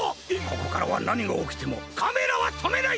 ここからはなにがおきてもカメラはとめない！